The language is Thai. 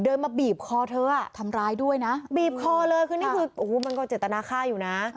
เดินมาบีบคอเธอบีบคอเลยคือโอ้มันก็เจตนาค่าอยู่นะ